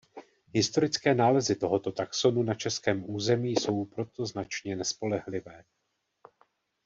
Historické nálezy tohoto taxonu na českém území jsou proto značně nespolehlivé.